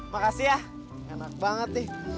makasih ya enak banget nih